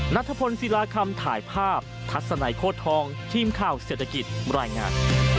นัทพลศิลาคำถ่ายภาพทัศนัยโคตรทองทีมข่าวเศรษฐกิจรายงาน